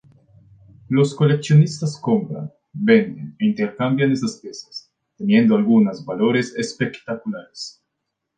Los coleccionistas compran, venden e intercambian estas piezas, teniendo algunas valores espectaculares.